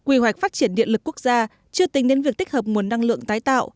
quy hoạch phát triển điện lực quốc gia chưa tính đến việc tích hợp nguồn năng lượng tái tạo